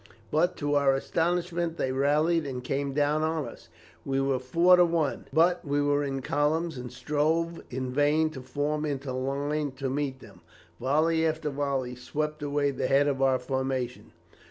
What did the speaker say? But to our astonishment they rallied, and came down on us. We were four to one, but we were in columns, and strove in vain to form into line to meet them. Volley after volley swept away the head of our formation.